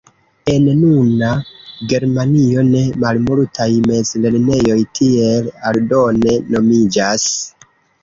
En nuna Germanio ne malmultaj mezlernejoj tiel aldone nomiĝas.